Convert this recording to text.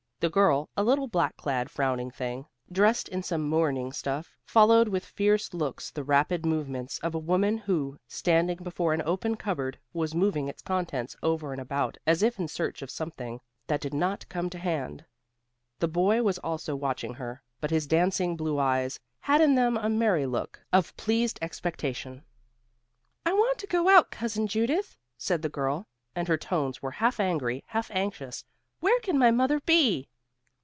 The girl, a little black eyed frowning thing, dressed in some mourning stuff, followed with fierce looks the rapid movements of a woman who, standing before an open cup board, was moving its contents over and about, as if in search of something that did not come to hand. The boy was also watching her, but his dancing blue eyes had in them a merry look of pleased expectation. "I want to go out, Cousin Judith," said the girl, and her tones were half angry, half anxious, "Where can my mother be?"